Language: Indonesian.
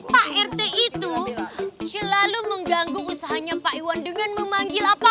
pak rt itu selalu mengganggu usahanya pak iwan dengan memanggil apa